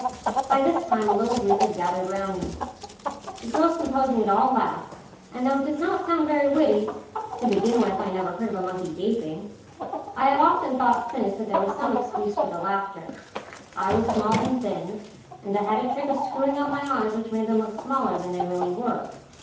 By this time a little group had gathered round me. The girls composing it all laughed, and though it does not sound very witty to begin with, I never heard of a monkey "gaping" I have often thought since that there was some excuse for the laughter. I was small and thin, and I had a trick of screwing up my eyes which made them look smaller than they really were.